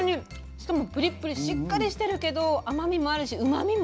しかもプリップリしっかりしてるけど甘みもあるしうまみも。